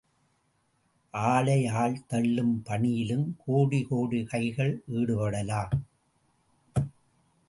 ஆளை ஆள் தள்ளும் பணியிலும், கோடி, கோடி கைகள் ஈடுபடலாம்.